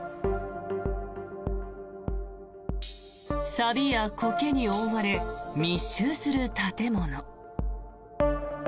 さびやコケに覆われ密集する建物。